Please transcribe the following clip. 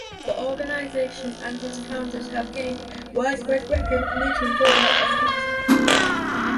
The organization and its founders have gained widespread recognition for their efforts.